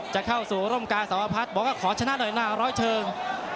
จะเข้าสู่ร่มกาสาวพัฒน์บอกว่าขอชนะหน่อยนะร้อยเชิง